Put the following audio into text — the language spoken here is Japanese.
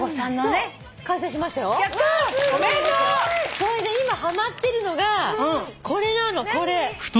それで今はまってるのがこれなのこれ。